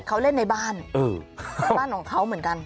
เขาเล่นในบ้านบ้านของเขาเหมือนกัน